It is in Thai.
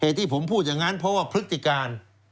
แห่งที่ผมพูดจากงั้นเพราะว่าพฤติการ